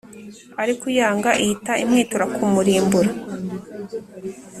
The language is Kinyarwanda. Ariko uyanga ihita imwitura kumurimbura.